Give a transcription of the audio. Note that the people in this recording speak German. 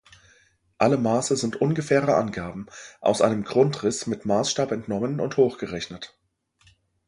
Alle Maße sind ungefähre Angaben, aus einem Grundriss mit Maßstab entnommen und hochgerechnet.